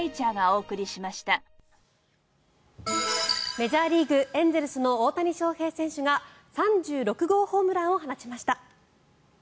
メジャーリーグエンゼルスの大谷翔平選手が３６号ホームランを放ちました。